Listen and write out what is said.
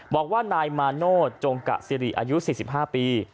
บอกว่านายมาโน้ตจงกะซีรีย์อายุ๔๕ปี